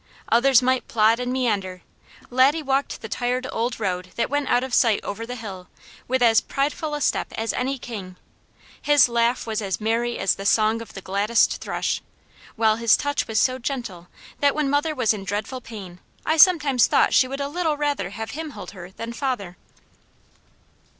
Others might plod and meander, Laddie walked the tired, old road that went out of sight over the hill, with as prideful a step as any king; his laugh was as merry as the song of the gladdest thrush, while his touch was so gentle that when mother was in dreadful pain I sometimes thought she would a little rather have him hold her than father.